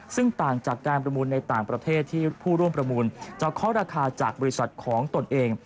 ซึ่งต่างจากการประมูลในต่างประเทศที่ผู้ร่วมประมูลจะเคาะราคาจากบริษัทของตนเอง